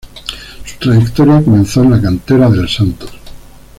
Su trayectoria comenzó en la cantera del Santos.